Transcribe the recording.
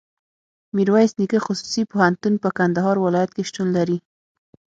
ميرویس نيکه خصوصي پوهنتون په کندهار ولایت کي شتون لري.